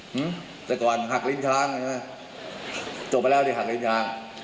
หึแต่ก่อนหักลิ้นช้างจบไปแล้วดิหักลิ้นช้าง